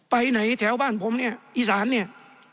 ไปไหนแถวบ้านผมเนี่ยอีสานเนี่ย